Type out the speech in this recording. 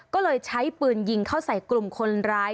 ก็เลยใช้ปืนยิงเข้าใส่กลุ่มคนร้าย